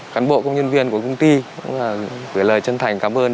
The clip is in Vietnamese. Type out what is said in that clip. cảnh bộ công nhân viên của công ty cũng gửi lời chân thành cảm ơn